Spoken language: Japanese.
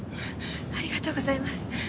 ありがとうございます。